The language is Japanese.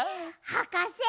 はかせ！